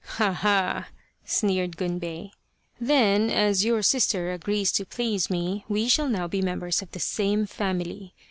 " Ha, ha !" sneered Gunbei, " then as your sister agrees to please me we shall now be members of the same family.